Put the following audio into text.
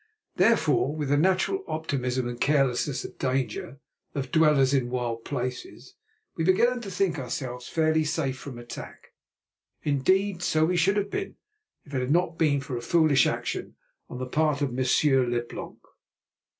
Therefore, with the natural optimism and carelessness of danger of dwellers in wild places, we began to think ourselves fairly safe from attack. Indeed, so we should have been, had it not been for a foolish action on the part of Monsieur Leblanc.